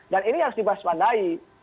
dan ini harus dibahas padahal